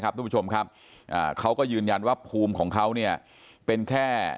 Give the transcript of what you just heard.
ทุกผู้ชมครับเขาก็ยืนยันว่าภูมิของเขาเนี่ยเป็นแค่